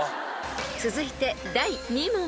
［続いて第２問］